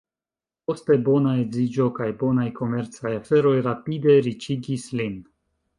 Poste, bona edziĝo kaj bonaj komercaj aferoj rapide riĉigis lin.